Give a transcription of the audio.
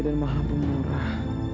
dan maha pemurah